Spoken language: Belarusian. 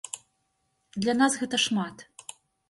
Для нас гэта шмат.